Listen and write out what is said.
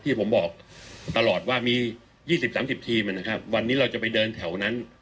ที่ผมบอกตลอดว่ามี๒๐๓๐ทีมนะครับวันนี้เราจะไปเดินแถวนั้น